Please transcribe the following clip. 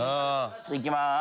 いきまーす。